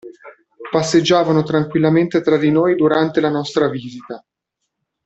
Passeggiavano tranquillamente tra di noi durante la nostra visita.